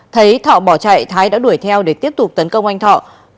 thấy thọ bỏ chạy thái đã đuổi theo để tiếp tục tấn công anh thọ